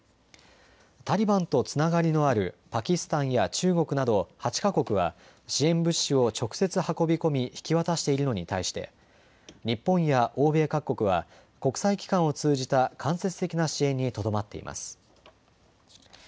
タリバンとつながりのあるパキスタンや中国など８か国は支援物資を直接運び込み引き渡しているのに対して日本や欧米各国は国際機関を通じた間接的な支援にとどまっています。